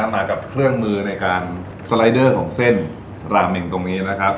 มากับเครื่องมือในการสไลเดอร์ของเส้นราเมงตรงนี้นะครับ